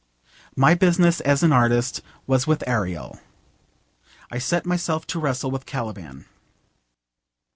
... My business as an artist was with Ariel. I set myself to wrestle with Caliban.